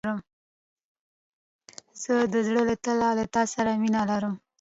زه د زړه له تله له تا سره مينه لرم.